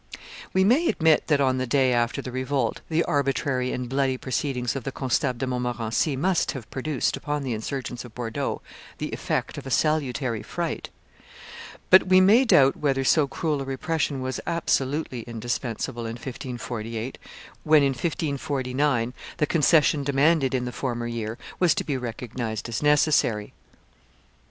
We may admit that on the day after the revolt the arbitrary and bloody proceedings of the Constable de Montmorency must have produced upon the insurgents of Bordeaux the effect of a salutary fright; but we may doubt whether so cruel a repression was absolutely indispensable in 1548, when in 1549 the concession demanded in the former year was to be recognized as necessary.